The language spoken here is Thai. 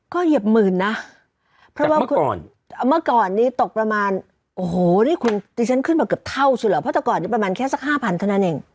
ก็เกือบหมื่นน่ะจากเมื่อก่อนเมื่อก่อนนี้ตกประมาณโอ้โหนี่คุณที่ฉันขึ้นแบบเกือบเท่าสุดหรอเพราะตอนก่อนนี้ประมาณแค่สักห้าพันเท่านั้นเอง